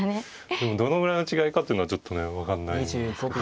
でもどのぐらいの違いかというのはちょっとね分かんないんですけど。